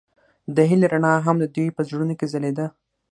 د هیلې رڼا هم د دوی په زړونو کې ځلېده.